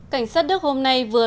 cảnh sát đức hôm nay vừa